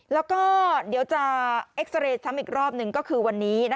แล้วก็เดี๋ยวจะเอ็กซาเรย์ซ้ำอีกรอบหนึ่งก็คือวันนี้